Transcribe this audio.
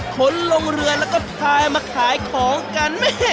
ขนลงเรือแล้วก็พายมาขายของกัน